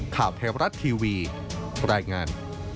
ข่าวเทวรัฐทีวีรายงาน